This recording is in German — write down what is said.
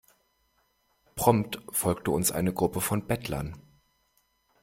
Prompt folgte uns eine Gruppe von Bettlern.